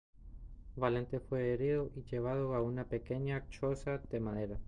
Valente fue herido y llevado a una pequeña choza de madera.